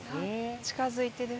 近づいてる。